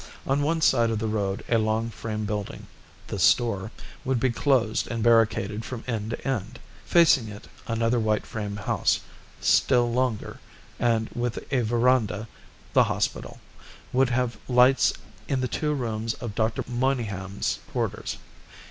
On one side of the road a long frame building the store would be closed and barricaded from end to end; facing it another white frame house, still longer, and with a verandah the hospital would have lights in the two windows of Dr. Monygham's quarters.